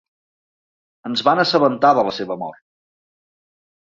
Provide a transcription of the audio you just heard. Ens van assabentar de la seva mort.